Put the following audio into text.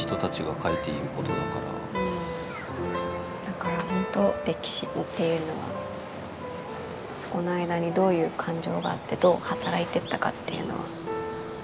だから本当歴史っていうのはそこの間にどういう感情があってどう働いてったかっていうのは。